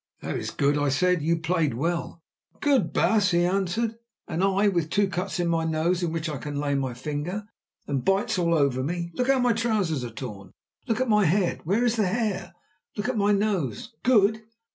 "That is good," I said. "You played well." "Good! baas," he answered, "and I with two cuts in my nose in which I can lay my finger, and bites all over me. Look how my trousers are torn. Look at my head—where is the hair? Look at my nose. Good!